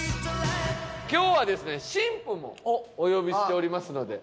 今日はですね新婦もお呼びしておりますので。